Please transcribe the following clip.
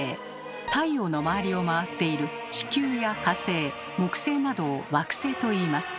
太陽の周りを回っている地球や火星木星などを「惑星」といいます。